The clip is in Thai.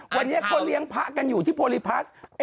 วันนี้เขาเลี้ยงพระกันอยู่ที่โพลิพัส